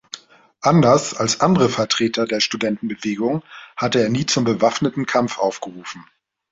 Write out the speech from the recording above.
Anders als andere Vertreter der Studentenbewegung hatte er nie zum „bewaffneten Kampf“ aufgerufen.